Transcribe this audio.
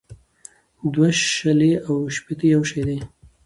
دوه شلې او ښپيته يو شٸ دى